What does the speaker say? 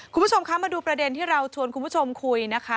คุณผู้ชมคะมาดูประเด็นที่เราชวนคุณผู้ชมคุยนะคะ